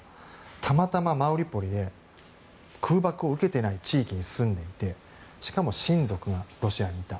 たまたまマリウポリで空爆を受けていない地域に住んでいてしかも親族がロシアにいた。